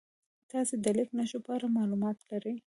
تاسې د لیک نښو په اړه معلومات لرئ؟